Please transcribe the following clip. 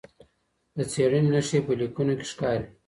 د څېړني نښې په لیکنو کي ښکاري.